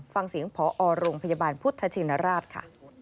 ฟังเสียงพรพยาบาลพุทธชีนราช